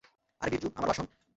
আরে বিরজু, আমার ভাষণ?